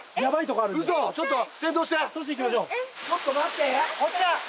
ちょっとつらら。